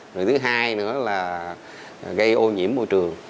rồi thứ hai nữa là gây ô nhiễm môi trường